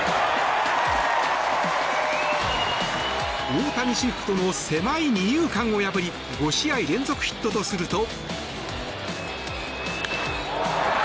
大谷シフトの狭い二遊間を破り５試合連続ヒットとすると。